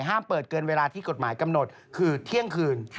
ห้ามเปิดเกินเวลาที่กฎหมายกำหนดคือเที่ยงคืน